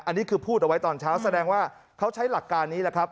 อันนี้คือพูดเอาไว้ตอนเช้าแสดงว่าเขาใช้หลักการนี้แหละครับ